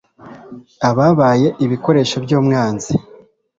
ababaye ibikoresho by'umwanzi